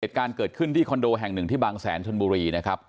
เหตุการณ์เกิดขึ้นที่คอนโดแห่งหนึ่งที่บางแสนชนบุรีนะครับ